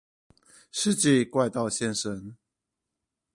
世紀怪盜現身